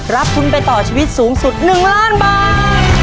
รับทุนไปต่อชีวิตสูงสุด๑ล้านบาท